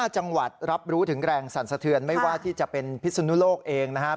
๕จังหวัดรับรู้ถึงแรงสั่นสะเทือนไม่ว่าที่จะเป็นพิสุนุโลกเองนะครับ